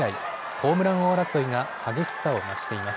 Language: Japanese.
ホームラン王争いが激しさを増しています。